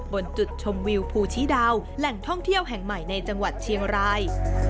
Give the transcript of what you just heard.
บนจุดชมวิวภูชีดาวแหล่งท่องเที่ยวแห่งใหม่ในจังหวัดเชียงราย